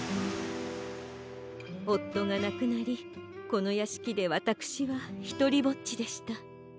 おっとがなくなりこのやしきでわたくしはひとりぼっちでした。